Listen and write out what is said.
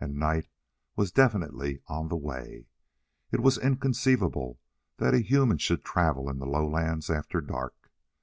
And night was definitely on the way. It was inconceivable that a human should travel in the lowlands after dark.